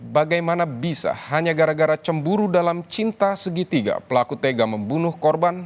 bagaimana bisa hanya gara gara cemburu dalam cinta segitiga pelaku tega membunuh korban